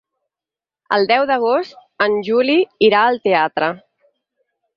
El deu d'agost en Juli irà al teatre.